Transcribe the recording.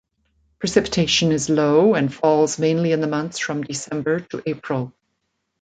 Precipitation is low, and falls mainly in the months from December to April.